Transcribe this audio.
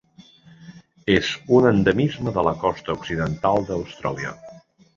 És un endemisme de la costa occidental d'Austràlia.